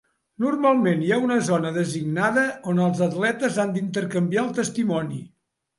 Normalment hi ha una zona designada on els atletes han d'intercanviar el testimoni.